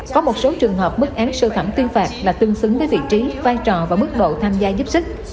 có một số trường hợp mức án sơ thẩm tuyên phạt là tương xứng với vị trí vai trò và mức độ tham gia giúp sức